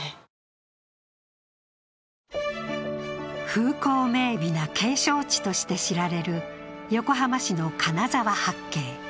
風光明媚な景勝地として知られる横浜市の金沢八景。